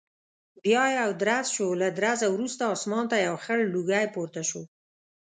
بیا یو درز شو، له درزه وروسته اسمان ته یو خړ لوګی پورته شو.